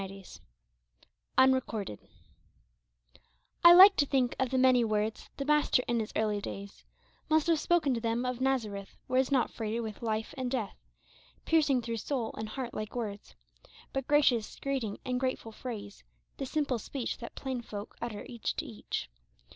138 UNRECORDED I LIKE to think of the many words The Master in his early days Must have spoken to them of Nazareth — Words not freighted with Hfe and death, Piercing through soul and heart like swords. But gracious greeting and grateful phrase, The simple speech That plain folk utter each to each.